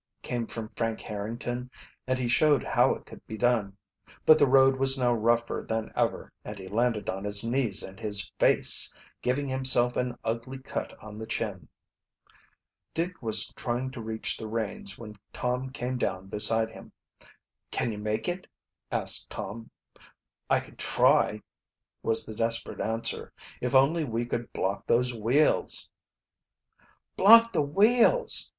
came from Frank Harrington, and he showed how it could be done. But the road was now rougher than ever, and he landed on his knees and his face, giving himself an ugly cut on the chin. Dick was trying to reach the reins when Tom came down beside him. "Can you make it?" asked Tom. "I can try," was the desperate answer. "If only we could block those wheels!" "Block the wheels!"